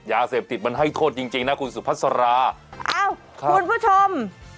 ยาเสพติดมันให้โทษจริงจริงนะคุณสุพัสราเอ้าคุณผู้ชม